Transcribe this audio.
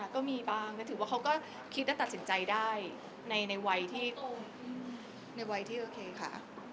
ก็มีบางถือว่าเขาก็คิดแล้วตัดสินใจได้ในวัยที่โอเคค่ะ